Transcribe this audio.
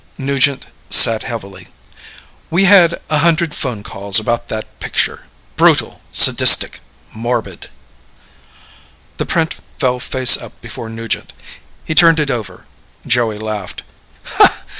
Nugent sat heavily. "We had a hundred phone calls about that picture. Brutal ... sadistic ... morbid." The print fell face up before Nugent. He turned it over. Joey laughed.